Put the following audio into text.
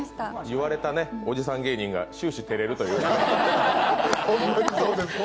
言われたおじさん芸人が終始照れるという。